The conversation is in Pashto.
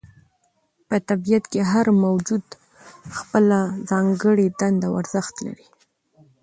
په طبیعت کې هر موجود خپله ځانګړې دنده او ارزښت لري.